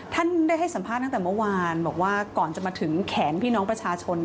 ท่านได้ให้สัมภาษณ์ตั้งแต่เมื่อวานบอกว่าก่อนจะมาถึงแขนพี่น้องประชาชน